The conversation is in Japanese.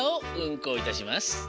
こういたします。